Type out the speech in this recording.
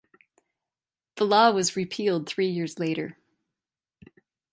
The law was repealed three years later.